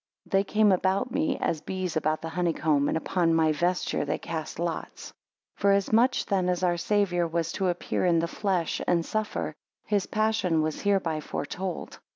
They came about me, as bees about the honey comb: and, Upon my vesture they cast lots. 6 Forasmuch then as our Saviour was to appear in the flesh and suffer, his passion was hereby foretold.